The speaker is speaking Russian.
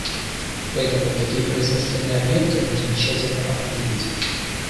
И поэтому такие производственные объекты нужно тщательно определить.